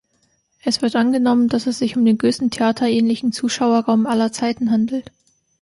Es wird angenommen, dass es sich um den größten theaterähnlichen Zuschauerraum aller Zeiten handelt.